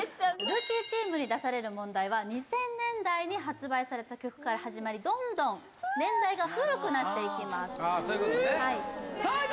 ルーキーチームに出される問題は２０００年代に発売された曲から始まりどんどん年代が古くなっていきますああ